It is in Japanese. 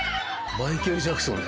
マイケル・ジャクソン。